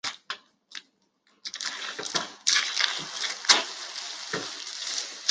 赵宗复山西省五台县东冶镇人。